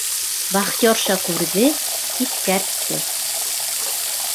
Вахтерша күрҙе, иҫкәртте.